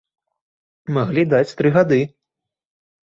Маглі даць тры гады.